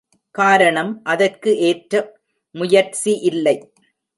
காரணம் அதற்கு ஏற்ற முயற்சி இல்லை.